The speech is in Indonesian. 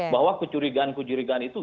bahwa kecurigaan kecurigaan itu